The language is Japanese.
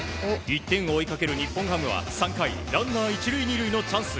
１点を追いかける日本ハムは３回ランナー１塁２塁のチャンス。